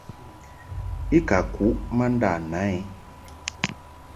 I ka kuʼ ma nda na i.